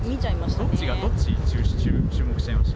どっちがどっち、注目しちゃいました？